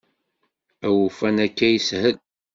Awufan akka i yeshel.